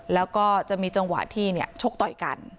แล้วก็จะมีจังหวะที่ชกต่อยกัน